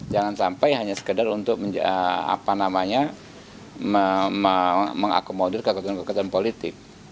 jangan sampai hanya sekedar untuk mengakomodir kekuatan kekuatan politik